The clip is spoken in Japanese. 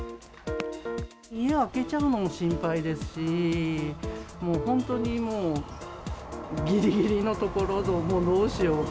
家空けちゃうのも心配ですし、もう本当にもうぎりぎりのところ、どうしようか。